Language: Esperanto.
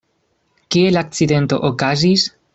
Kie la akcidento okazis?